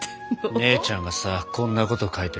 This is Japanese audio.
姉ちゃんがさこんなこと書いてるからさ。